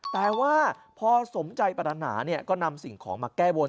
แต่ว่าพอสมใจปรัฐนาก็นำสิ่งของมาแก้บน